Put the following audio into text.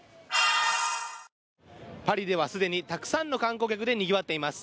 パリではすでにたくさんの観光客でにぎわっています。